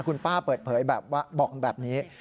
คุณป้าเปิดเผยบอกแบบนี้